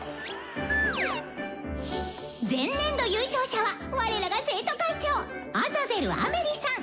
「前年度優勝者は我らが生徒会長アザゼル・アメリさん！」。